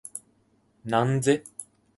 なんぜ？